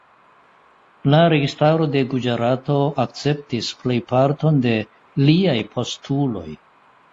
La registaro de Guĝarato akceptis plejparton de iliaj postuloj.